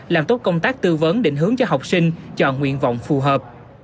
làm tốt công tác tư vấn định hướng cho học sinh chọn nguyện vọng phù hợp